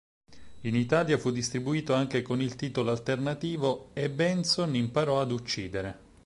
In Italia fu distribuito anche con il titolo alternativo "...e Benson imparò ad uccidere".